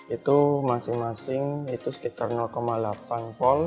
itu masing masing itu sekitar delapan pon